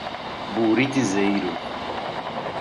Buritizeiro